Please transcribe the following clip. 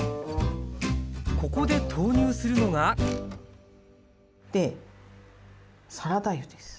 ここで投入するのがでサラダ油です。